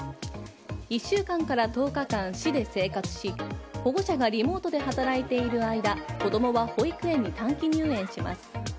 １週間から１０日間市で生活し保護者がリモートで働いている間子供は保育園に短期入園します。